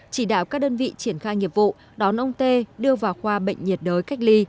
chỉ đạo các đơn vị triển khai nghiệp vụ đón ông tê đưa vào khoa bệnh nhiệt đới cách ly